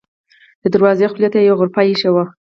د دروازې خولې ته یوه غرفه اېښې وه.